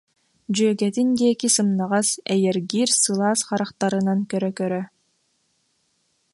дьүөгэтин диэки сымнаҕас, эйэргиир сылаас харахтарынан көрө-көрө